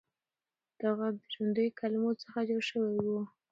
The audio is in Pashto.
دا غږ د ژوندیو کلمو څخه جوړ شوی و.